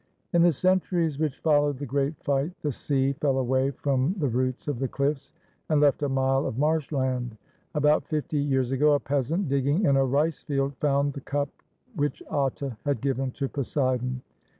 In the centuries which followed the great fight, the sea fell away from the roots of the cliffs, and left a mile of marshland. About fifty years ago a peasant, digging in a rice field, found the cup which Atta had given to Poseidon.